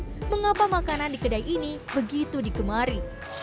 tapi mengapa makanan di kedai ini begitu digemari